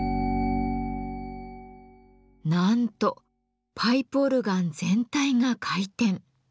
なんとパイプオルガン全体が回転。